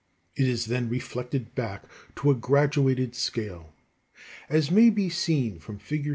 It is then reflected back to a graduated scale (f). As may be seen from Fig.